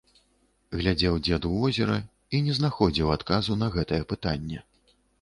Глядзеў дзед у возера і не знаходзіў адказу на гэтае пытанне.